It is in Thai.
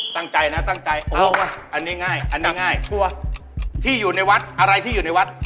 ตั้งใจนะตั้งใจโอ้ยอันนี้ง่ายอันนี้ง่ายที่อยู่ในวัดอะไรที่อยู่ในวัด